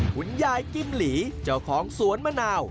คุณยายกิมหลีเจ้าของสวนมะนาว